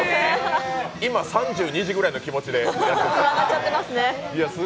今３２時ぐらいの気持ちでやってます。